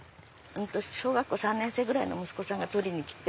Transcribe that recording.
小学校３年生ぐらいの息子さんが取りにきて。